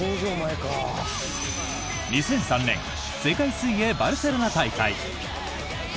２００３年世界水泳バルセロナ大会。